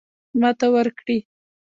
ماته ورکړي.